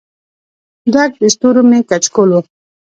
ډک د ستورو مې کچکول و